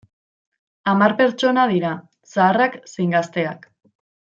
Hamar pertsonak dira, zaharrak zein gazteak.